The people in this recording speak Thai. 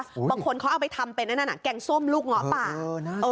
บางคนเขาเอาไปทำเป็นอันนั้นแกงส้มลูกเงาะป่า